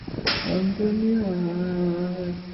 তোমাদের লগ্ন তো সেই রাত্রে–এখন থেকেই এত তাড়া কিসের!